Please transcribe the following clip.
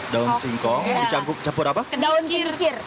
daun singkong dicampur ke daun kenikir